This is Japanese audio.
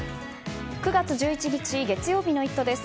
９月１１日、月曜日の「イット！」です。